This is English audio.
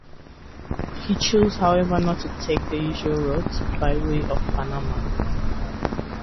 He chose, however, not to take the usual route, by way of Panama.